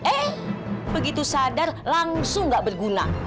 eh begitu sadar langsung gak berguna